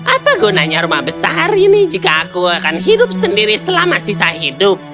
apa gunanya rumah besar ini jika aku akan hidup sendiri selama sisa hidup